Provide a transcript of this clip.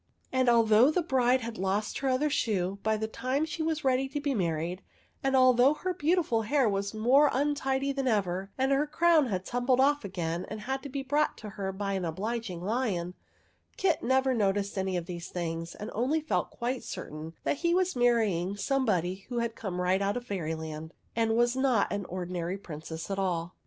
22 THE WEIRD WITCH And although the bride had lost her other shoe by the time she was ready to be married, and although her beautiful hair was more untidy than ever and her crown had tumbled off again and had to be brought to her by an obliging lion, Kit never noticed any of these things and only felt quite certain that he was marryingscme body who had come right out of Fairyland and was not an ordinary Princess at all.